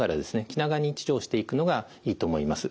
気長に治療していくのがいいと思います。